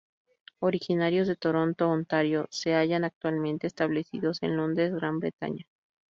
Originarios de Toronto, Ontario, se hallan actualmente establecidos en Londres, Gran Bretaña.